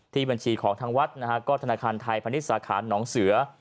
ที่บัญชีของทางวัดก็ธนาคารไทยพนิษฐ์สาขานหนองเสือ